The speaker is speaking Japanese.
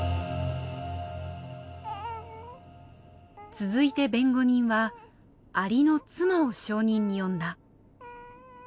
続いて弁護人はアリの妻を証人に呼んだ。